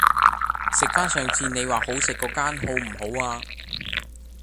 食返上次你話好食嗰間好唔好啊